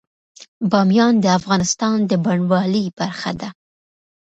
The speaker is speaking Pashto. بامیان د افغانستان د بڼوالۍ برخه ده.